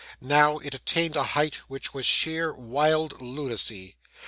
Now it attained a height which was sheer wild lunacy.